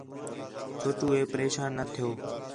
چھوٹو ہے پریشان نہ تِھیؤ